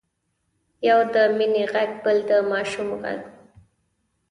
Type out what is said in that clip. يو د مينې غږ بل د ماشوم غږ و.